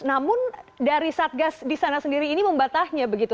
namun dari satgas di sana sendiri ini membatahnya begitu